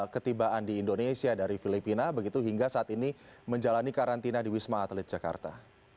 ketibaan di indonesia dari filipina begitu hingga saat ini menjalani karantina di wisma atlet jakarta